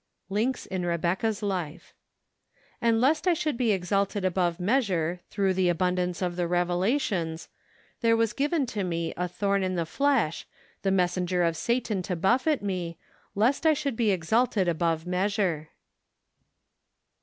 Links in Rebecca's Life. " And lest I should he exalted above measure through the abundance of the revelations, there was given to me a thorn in the flesh, the messenger of Satan to buffet me , lest I should be exalted above measure."